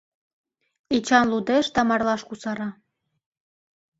Эчан лудеш да марлаш кусара: